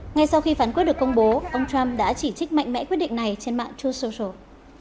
ngay sau khi phán quyết được công bố ông trump đã chỉ trích mạnh mẽ quyết định này trên mạng tursucial